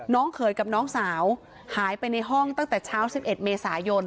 เขยกับน้องสาวหายไปในห้องตั้งแต่เช้า๑๑เมษายน